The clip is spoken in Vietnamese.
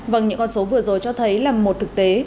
vâng những con số vừa rồi cho thấy là một thực tế